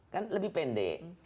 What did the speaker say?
kan lebih pendek